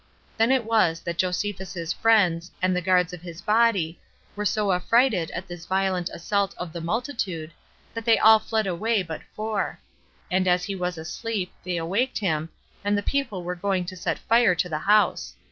Then it was that Josephus's friends, and the guards of his body, were so affrighted at this violent assault of the multitude, that they all fled away but four; and as he was asleep, they awaked him, as the people were going to set fire to the house.